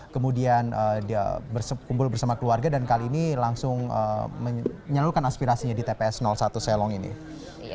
kemudian dia berkumpul bersama keluarga dan kali ini langsung menyalurkan aspirasinya di tps satu selong ini